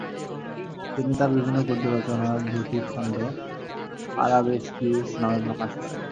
তিনি তাঁর বিভিন্ন গদ্যরচনার দুটি খণ্ড আরাবেস্কিউস নামে প্রকাশ করেন।